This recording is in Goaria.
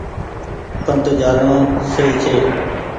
پند چآلڻو سئي ڇي۔